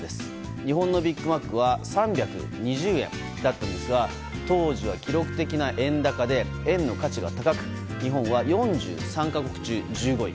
日本のビッグマックは３２０円だったんですが当時は記録的な円高で円の価値が高く日本は、４３か国中１５位。